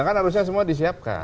kan harusnya semua disiapkan